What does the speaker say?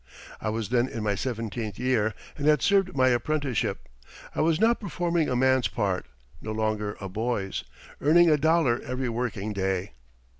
I was then in my seventeenth year and had served my apprenticeship. I was now performing a man's part, no longer a boy's earning a dollar every working day.